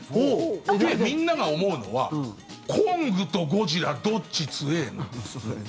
で、みんなが思うのはコングとゴジラどっち強いの？です。